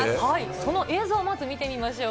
その映像、まず見てみましょう。